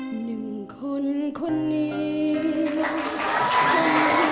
หนึ่งคนคนอีกคนอีกไม่ค่อย